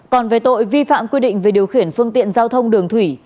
còn về tội vi phạm quy định về điều khiển phương tiện giao thông đường thủy